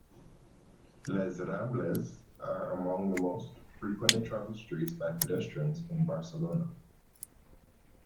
"Les Rambles" are among the most frequently travelled streets by pedestrians in Barcelona.